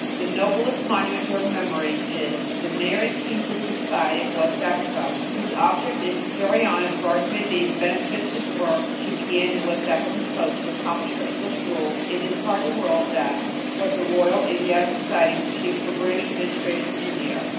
The noblest monument to her memory is "The Mary Kingsley Society of West Africa," whose object is to carry on, as far as may be, the beneficent work she began on the West African coast and to accomplish for English rule in this part of the world what the "Royal Asiatic Society" has achieved for British administration in India.